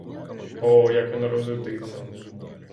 О, як він розлютився!